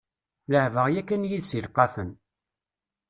Leɛbeɣ yakan yid-s ileqqafen.